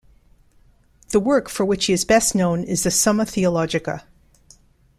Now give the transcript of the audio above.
The work for which he is best known is the "Summa Theologica".